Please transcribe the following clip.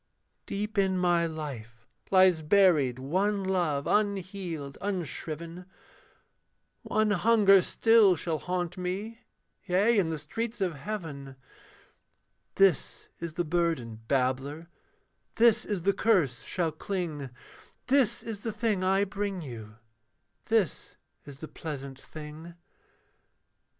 Deep in my life lies buried one love unhealed, unshriven, One hunger still shall haunt me yea, in the streets of heaven; This is the burden, babbler, this is the curse shall cling, This is the thing I bring you; this is the pleasant thing.